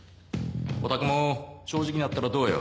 おたくも正直になったらどうよ？